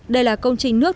đây là công trình nước